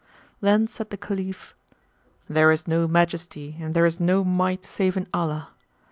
Then said the Caliph, "There is no Majesty and there is no Might save in Allah!